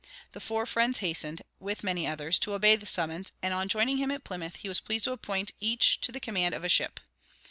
The four friends hastened, with many others, to obey the summons; and on joining him at Plymouth, he was pleased to appoint each to the command of a ship.